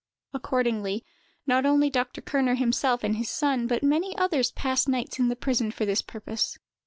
Accordingly, not only Dr. Kerner himself and his son, but many others, passed nights in the prison for this purpose.